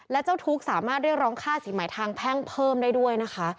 และเจ้าทุกข์สามารถเรียกร้องค่าสินใหม่ทางแพ่งเพิ่มได้ด้วยนะคะ